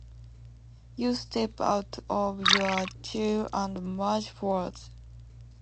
You step out of your chair and march forward.